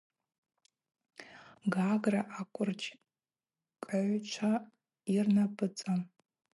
Гагра аквырджь кӏыгӏвчва йырнапӏыцӏан.